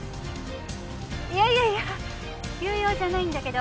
いやいやいや急用じゃないんだけど。